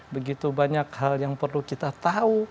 begitu banyak hal yang perlu kita tahu